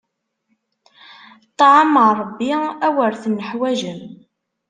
Ṭṭɛam n Ṛebbi, awer tenneḥwaǧem!